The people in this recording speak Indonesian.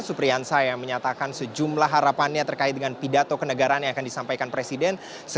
supriyansa yang menyatakan sejumlah harapannya terkait dengan pidato kenegaraan yang akan disampaikan presiden